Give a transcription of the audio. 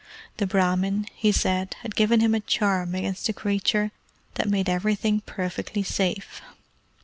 The Brahmin, he said, had given him a charm against the creature that made everything perfectly safe.